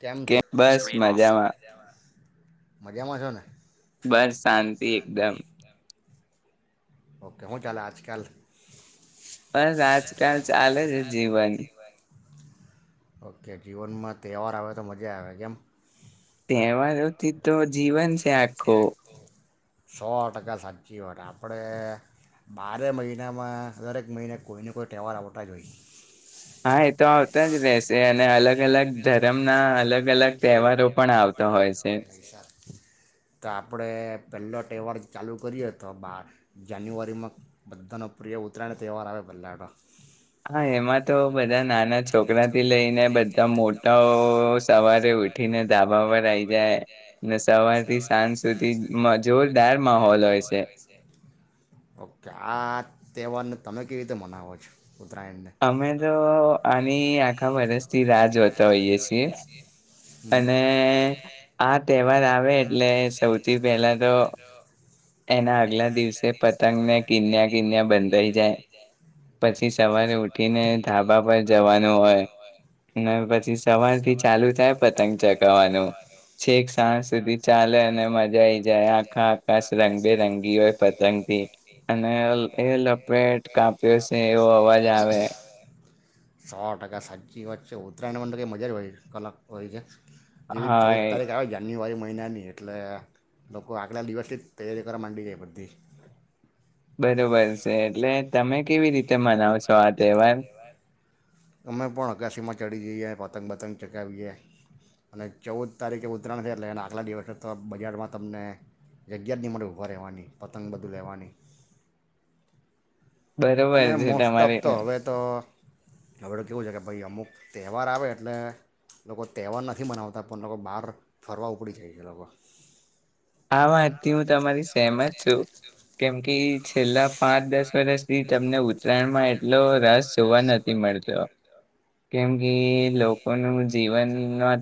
કેમ છ મજામાં છો ને બસ શાંતિ એકદમ ઓ કેહું ચાલ અજકાલ બસ આજકાલ ચાલે છે જીવન ઓકે જીવનમાં તહેવાર આવે તો મજા આવે કેમ એમાંરેથી તો જીવન છે આખો સો ટકા સાચી વાટ આપણે બારે મહિનામાં દરેક મહિને કોઈને કોઈ તૈવહાર આવતા જ હોય હા એ તો આવતા જ રશે અને અલગ અલગ ધર્મના અલગ અલગ તહેવારો પણ આવતા હોય છે તો આપડે પેલો તહેવાર ચાલુ કરીએ તો બ જાન્યુઆરીમાં બધાનો પ્રિય ઉત્તરાયણ તહેવાર આવે પહેલાનો હા એમાં તો બધાને બધા નાના છોકરા થી લઈને બધા મોટાઓ સવારે ઉઠીનેા ધાબા પર આઈ જાય ને સવાર્થી સાંજ સુધી જોરદાર માહોલ હોય છે ઓકે આ ત્યોહાર તમે કેવી રીતે મનાવો છો ઉત્તરાયણ ને અને આખા વર્ષથી રાજ જોતા હોઈય છીએ અને આ તહેવાર આવે એટલે સૌથી પહેલા તો એના આગલા દિવસે પતંગ ને કિન્યા કિન્યા બંધાઈ જાય પછી સવારે ઉઠીને ધાબા જવાનું હોય ને પછી સવાર થી ચાલુ થાય પતંગ ચગાવવાનું છેક સાંજ સુધી ચાલે અને મજા આઇ જાય આખા આકાસ રંગબેરંગી હોય પતંગથી અને એ લપેટ કાપ્યો સે એવો અવાજ આવે સો ટકા સાચજી વચ્ચે ઉત્તરાયણ મ તો કઈ મજા જ હોય કલાક હોય છે જેવી ચૌદ તારીખ આવે જાન્યુઆરી મહિ મહિનાની એટલે લોકો આગલા દિવસથી જ તૈયારી કરવા માંડી જાય બધી બરોબર સે એટલે તમે કેવીરી તે મનાવો છો આ તહેવાર? અમે પણ અગાશીમાં ચડી જઈએ. પતંગ બતંગ ચગાવીએ. અને ચૌદ તારીખે ઉત્તરાયણ છે એટલે એના દિવસે આગલા દિવસે તો બજારમાં તમને જગ્યા જ નહી મળે ઊભા રહેવાની પતંગ બધું લેવાની. અને મોસ્ટ ઓફ તો હવે તો આપડે કેવું છે કે ભઈ અમુક તહેવાર આવે એટલે લોકો તહેવાર નથી મનાવતા પણ લોકો બાર ફરવા ઉપડી જાય છે લોકો. આ વાતથી હું તમારી સેહમત છું. કેમ કે ઈ છેલ્લા પાંચ દસ વર્ષથી તમને ઉત્તરાયણમાં એટલો રસ જોવા નથી મળતો કેમ? એ લોકોનું જીવન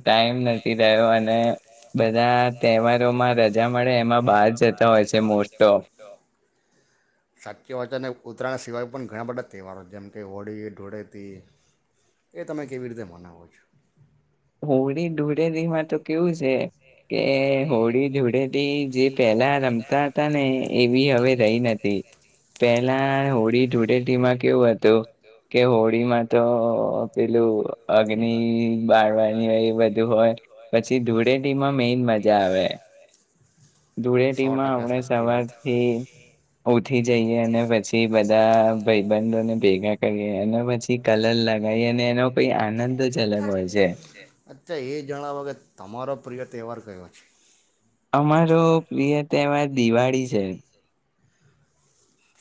ટાઈમ નથી રહ્યો અને બધા તહેવારોમાં રજ માં રજા મળે એમાં બાર જતા હોય છે મૂળ તો સાચ હો ઉત્તરાયણ એવા પણ ઘણા બધા તહેવારો જેમ કે હોળી, ધુળેટી એ તમે કેવી રીતે મનાવો છો? હોળી, ધૂળેટી માં તો કેવું સે કે હોળી ધૂળેથી જે પેલા રમતા હતા ને, એવી હવે રહી ન તી પેલા હોળી ધૂળેટીમાં કેવું હતું કે હોળીમાં તો પેલું અગની બારવા એ બધું હોય પછી ધૂળેટીમાં મેન મજા આવે. ધૂળેટીમાં આપણે સવારથી ઉઠી જઈએ. જઈએ અને પછી બધા ભઈબંધોને ભેગા કરીને અને પછી કલર લગાવી એને [inaudible] હા તે એ જણાવો કે તમારો પ્રિય તહેવાર કયો? [inaudible] અમારો પ્રિય તેહવાર દિવાળી છે.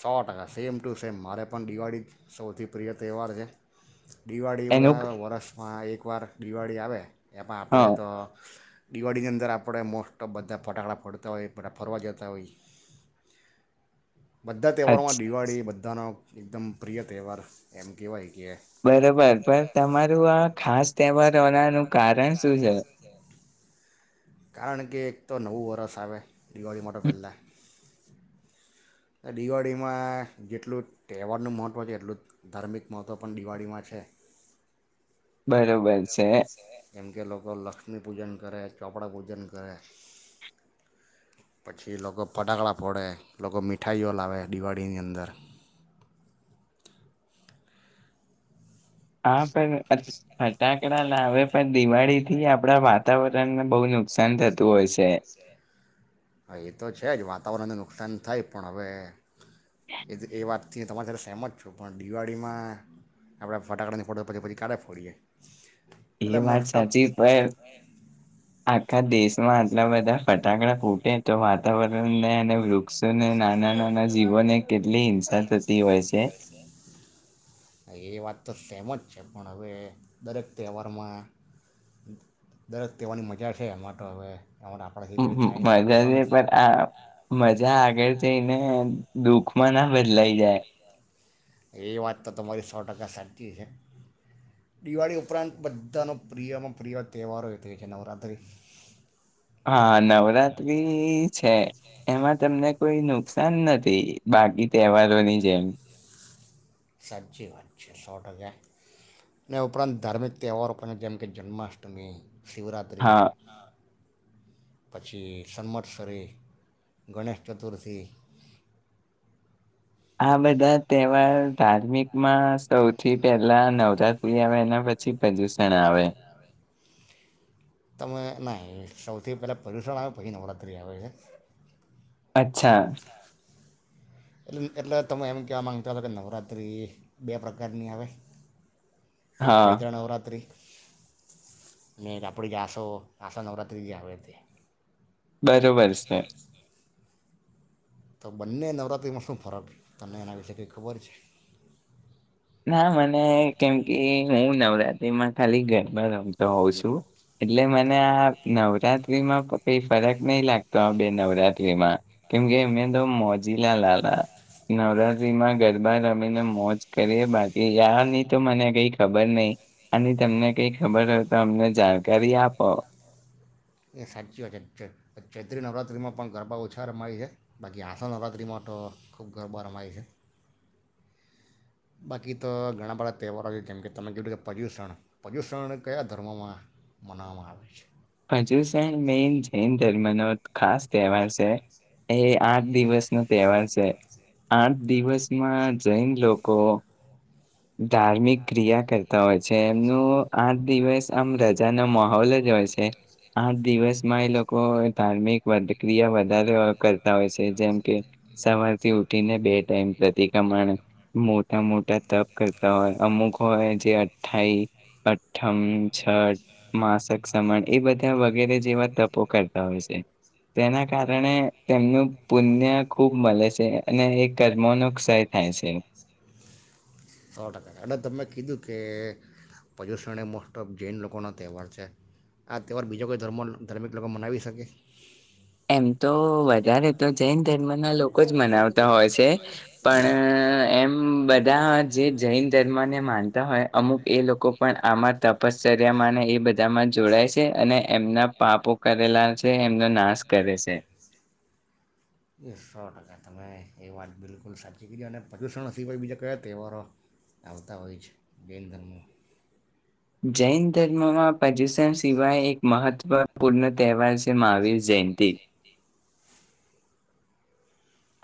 સો ટકા સેમ ટુ સેમ મારે પણ દિવાળી સૌથી પ્રિય તહેવાર છે. દિવાળીમાં વર્ષ હા એકવાર દિવાળી આવે એમાં આપણે તો દિવાળીની અંદર આપણે મોસ્ટ ઓફ બધા ફટાકડા ફોડતા હોઈ આપણે ફરવા જતા હોઈ. બધા તહેવારોમાં દિવાળી બધાનો એકદમ પ્રિય તહેવાર એમ કહેવાય. બરોબર તમાર આ ખાસ તહેવાર વાણનું કારણ શું છે કારણ કે તો નવું વરષ આવે. દિવાળી માતો પહલે. દિવાળીમાં જેટલું તહેવારનું મહત્ત્વ છે એટલું ધાર્મિક મહત્ત્વ પણ દિવાળીમાં છે. બરોબર છે. જેમ કે લોકો લક્ષ્મી પૂજન કરે ચોપડા પૂજન કરે પછી લોકો ફટાકડા ફોડે લોકો મી મઠાઈઓ લાવે દિવાળીની અંદર હા પણ ફટાકડા લાવે પણ દિવાળી થી આપડા વાતાવરણને બહુ નુકસાન થતું હોય છે. હા એ તો છે જ વાત તવારનને નુકસાન થાય પણ હવે [unintelligible] એ વાતથી તમારી સાથે સહેમત છું પણ દિવાળીમાં આપડા ફટાકડાની ફોટો પછી પછી ક્યારે ફોડીયે. એ વાત સાચી પય આ ખા દેશમાં આટલા બધા ફટાકડા ફૂટે તો વાતાવરણને ને વૃક્ષ એ વાત તો સેમ છે પણ હવે દરેક તહેવારમાં દરેક તહેવારની મજા છે એ માટે હવે. મજા ન પણ આ મજા આગળ જઈ દુઃખ માં ના બદલાઈ જાય. એ વાત તો તમારી સો ટકા સાચી છે દિવાળી ઉપરાંત બધાનો પ્રિયમાં પ્રિય તહેવારો એ છે છે નવરાત્રિ. હા નવરાત્રી છે એમાં તમને કોઈ નુકસાન નથી બાકી તહેવારોની જેમ. સાચી વાત છે સો ટકા ને ઉપરાંત ધાર્મિક તહેવારો પણ જેમ કે જન્માષ્ટમી શિવરાત્રિ પછી સંન્મત્સરી, ગણેશ ચતુર્થી આ બધા તહેવાર ધાર્મિકમાં સૌથી પહેલા નવરાત્રી આવે ને પછી પ્રદૂષણ આવે. તમે ના સૌથી પહેલા પ્રદ્યુષણ આવે પછી નવરાત્રી આવે છે. અચ્છા એટલે એટલે તમે એમ કહેવા માગતા હો કે નવરાત્રિ બે પ્રકારની આવે. એક ચેત્ર નવરાત્રિ મેં જ આપડે જે આસો આશા નવરાત્રિ જે આવે તે બરોબર સે. તો બંને નવરાત્રિમાં શું ફરક તમને એના વિશે કઈ ખબર છે? ના મને એ કેમ કે એ હું નવરા એમાં ખાલી ગરબા રમતો હોઉં છું એટલે મને આ નવરાત્રીમાં કઈ ફરક નહી લાગતો આ બે નવરાત્રીમાં, કેમકે અમે તો મોજીલા લાલા નવરાત્રીમાં ગરબા રમીને મોજ કરીએ બાકી યારની તો મને કઈ ખબર નઈ અને તમને કઈ ખબર હોય તો અમને જાણકારી આપો. એ સાચી વાત છે, ચેત ચૈત્રી નવરાત્રિમાં પણ ગરબા ઓછા રમાય છે, બાકી આશા નવરાત્રિમાં તો ખૂબ ગરબા રમાય છે. બાકી તો ઘણા બધા તહેવારો છે, જેમકે તમે કીધું કે પર્યુષણ પર્યુષણ કયા ધર્મોમાં મનાવવામાં આવે છે? ભાજુસેન મેન જૈન ધર્મનો ખાસ તહેવાર સે, એ આઠ દિવસનો તહેવાર સે, આઠ દિવસમાં જૈન લોકો ધાર્મિક ક્રિયા કરતા હોય છે, એમનો આઠ દિવસ આમ રજાનો માહોલ જ હોય સે, આઠ દિવસમાં એ લોકો ધાર્મિક વધ ક્રિયા વધારે કરતા હોય છે, જેમ કે સવારથી ઉઠીને બે ટાઈમ પ્રતિક્રમણ મોટા મોટા તપ કરતા હોય અમુક હોય જે અઠ્ઠાઈ અઠ્ઠમ છઠ, માસક, ક્ષમણ એ બધા વગેરે જેવા તપો કરતા હોય સે, તેના કારણે તેમનું પુન્ય ખૂબ મળે સે, અને એ કર્મોનો ક્ષય થાય છે. સો ટકા અટલે તમે કીધું કે પજુષણે મોસ્ટ ઓફ જૈન લોકોનો તહેવાર છે. આ તહેવાર બીજો કોઈ ધર્મ ધાર્મિક લોકો મનાવી શકે? એમ તો વધારે તો જૈન ધર્મના લોકો જ મનાવતા હોય છે, પણ એમ બધા જે જૈન ધર્મને માનતા હોય અમુક એ લોકો પણ આમાં તપ પસર્યામાં ને એ બધામાં જોડાય સે, અને એમના પાપો કરેલા છે, એમનો નાશ નાશ કરે સે, એક સો ટકા તમે એ વાત બિલકુલ સાચી કરી અને પ્રદૂષણ સિવાય બીજા કયા તહેવારો આવતા હોય છે, જૈન ધર્મો જૈન ધર્મમાં પ્રર્યુષન સિવાય એક મહત્વ પૂર્ન તહેવાર છે, મહાવીર જયંતિ.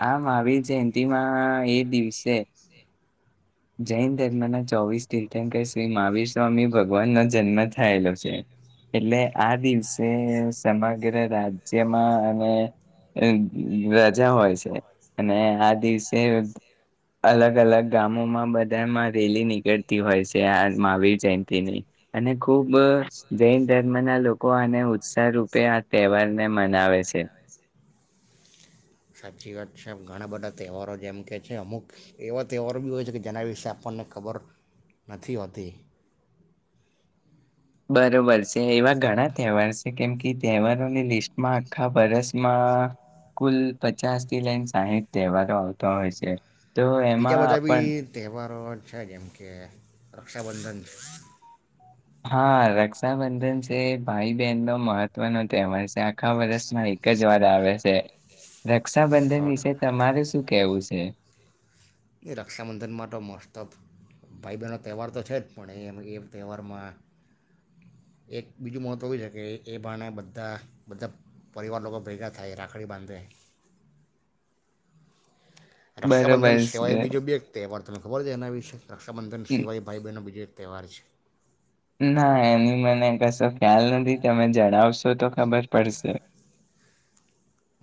આ મહાવીર જયંતિમાં એ દિવસે જૈન ધર્મના ચોવીસ તીર્થંકર શ્રી મહાવીર સ્વામી ભગવાન નો જન્મ થયેલો છે, એટલે આ દિવસે સમગ્ર રાજ્યમાં અને એમ રજા હોય છે, અને આ દિવસે અલગ અલગ ગામોમાં બધામાં રેલી નીકળ તી હોય સે, આ મહાવીર જયંતિની અને ખુબ બસ જૈન ધર્મના લોક કો આને ઉત્સાહ રૂપે આ તહેવારને મનાવે છે. છે, ઘણા બધા તહેવારો જેમ કે છે, અમુક એવા તહેવારો બી હોય છે કે જેના વિશે આપણને ખબર નથી હોતી. બરોબર સે, એવા ઘણા તહેવાર સે કેમ કે તહેવારોની લિસ્ટમાં આખા વરસમાં કુલ પચાસથી લઈને સાહીઠ તહેવારો આવતા હોય સે. તો એમાં પન [unintelligible] છે જેમ કે રક્ષાબંધન હા, રક્ષાબંધન છે, ભાઈ બહેનનો મહત્વનો તહેવાર સે, આખા વરસમાં એક જ વાર આવે સે. રક્ષાબંધન વિશે તમારે શું કેવું સ એ. એ રક્ષાબંધનમાં ટો મસ્તફ ભાઈ બહેનનો તહેવાર તો છે જ પણ એ એ તહેવારમાં એક બીજું મહત્વ એવું છે કે એ એભ ને બધ્ધા બધા પરિવાર લોકો ભેગા થાય રાખડી બાંધે રક્ષાબંધન સિવાય બીજો બી એક તહેવાર તને ખબર જ એના આવી છે રક્ષાબંધન સિવાય ભાઈ બહેનો બીજો એક તેહવાાર છે. ના એની મને કશો ખ્યાલ નથી તમે જડાવશો તો ખબર પડશે.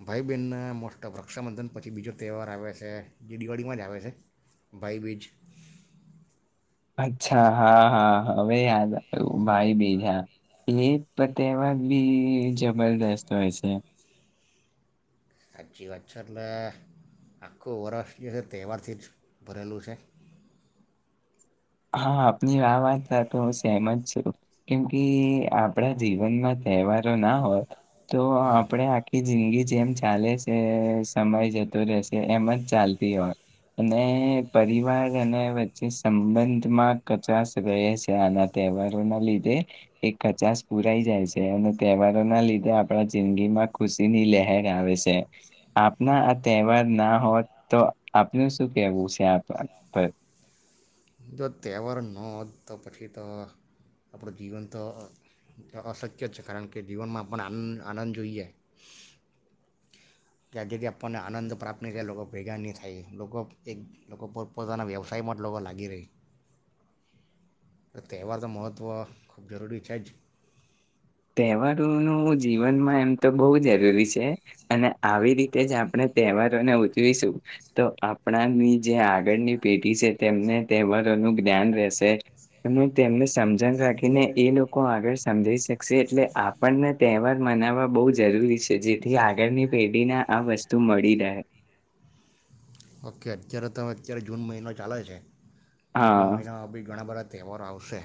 ભાઈ બહેનને મોસ્ટત વક્ષાબંધન પછી બીજો તહેવાર આવે છે જે દિવાળીમાં જ આવે છે ભાઈબીજ. અચ્છા હા હા હવે યાદ આવ્યું ભાઈ બીજા એ તહેવા બી જબરદસ્ત હોય છે. સાચી વાત છે એટલે આખું વર્ષ જે છે તહેવારથી જ ભરેલું છે. હા આપની આ વાત થ તો હું સેમ જ છું કેમ કે આપણા જીવનમાં તહેવારો ના હોય. તો આપડે આખી જિંદગી જેમ છે. ચાલે છે સમય જતો રહેશે એમ જ ચાલતી હોય અને પરિવાર અને વચ્ચે સંબંધ કચાસ રહે છે અને તહેવારો ના લીધે એ કચાાસ પુરાઈ જાય છે અને તહેવારો ના લીધે આપણા જિંદગી માં ખુશી ની લહેર આવે છે આપના આ તહેવાર ના હોત તો આપનું શું કેવું છે. [inaudible] તહેવાર ન હોત તો પછી તો આપણું જીવન તો અશક્ય છે કારણ કે જીવનમાં આપણ આન આનંદ જોઈએ કે આજેથી આપણને આનંદ પ્રાપ્ત નહી થાય લોકો ભેગા નહીં થાય લોકો એક લોકો પર પોતાના વ્યવસાયમાં લોકો લાગી રહેયા તહેવાર તો મહત્ત્વ ખૂબ જરૂરી છે જ. તહેવારોનું જીવનમાં એમ તો બહુ જરૂરી છે અને આવી રીતે જ આપણે તહેવારોને ઉજવીશું તો આપણાની જે આગળની પેઢી છે તેમને તહેવારોનું જ્ઞાન રહેશે અને તેમને સમજણ રાખીને એ લોકો આગળ સમજી શકે એટલે આપણને તહેવાર મનાવવા બહ જરૂરી છે જેથી આગળની પેઢીને આ વસ્તુ મળી રહે. કે અત્યારે તમે અત્યારે જૂન મહિનો ચાલે છે. તો જૂન મહિનામાં ભી ઘણા બધા તહેવારો આવશે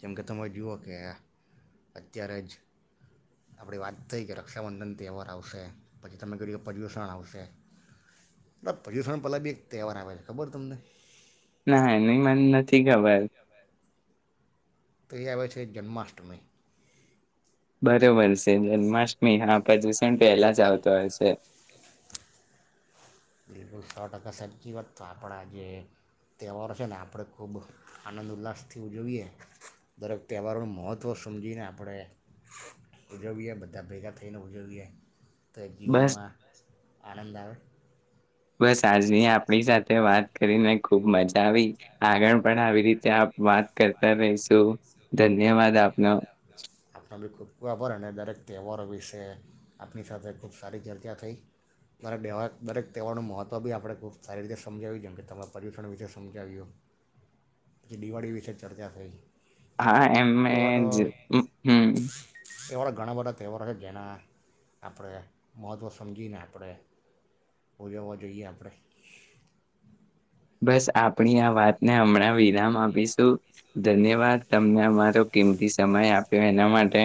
જેમકે તમે જુઓ કે અત્યારે જ આપણી વાત થઈ કે રક્ષાબંધન તહેવાર આવશે પછી તમે ક્યું કે પ્રદુષણ આવશે બ પ્રદ્યુષણ પહેલા બી એક તહેવાર આવે છે ખબર તમને. ના એની મને નથી ખબર. તો એ આવેય છે જન્માષ્ટમી. બરોબર છે જન્માષ્ટમી હા પ્રદુષણ પહેલા જ આવતો હોય છે બિલકુલ સો ટકા સાચી વાત તો આપણા જે તહેવારો છે ને આપણે ખૂબ આનંદ ઉલ્લાસથી ઉજવીએ દરેક તહેવારોનું મહત્ત્વ સમજીને આપણે ઉજવીએ બધા ભેગા થઈને ઉજવીએ તો જીવનમાં આનંદ આવે બસ આજની આપણી સાથે વાત કરીને ખુબ મજા આવી આગળ પણ આવી રીતે આપ વાત કરતા રહીશું ધન્યવાદ આપ ના આપણા બી ખૂબ ખૂ આભાર અને દરેક તહેવારો વિશે આપણી સાથે ખૂબ સારી ચર્ચા થઈ દરેવા દરેક તહેવારનું મહત્ત્વ બી આપણે ખૂબ સારી રીતે સમજાવ્યું જેમ કે તમારા પર્યુષણ વિશે સમજાવ્યું પછી દિવાળી વિશે ચર્ચા થઈ હા એમમે જ હમ તહેવાર ઘણા બધા તહેવારો છે જેના આપણે મહત્ત્વ સમજીને આપણે ઓજ હોવા જોઈએ આપણે બસ આપ આપણી આ વાતને હમણાં વિરામ આપીશું ધન્યવાદ તમને અમારો કેિમતી સમય આપ્યો એના માટે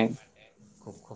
ખૂબ ખબ